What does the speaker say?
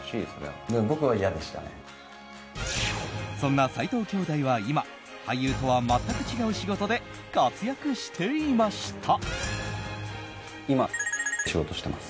そんな斉藤兄弟は今、俳優とは全く違う仕事で活躍していました。